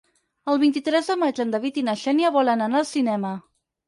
El vint-i-tres de maig en David i na Xènia volen anar al cinema.